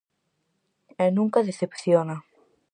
E nunca decepciona.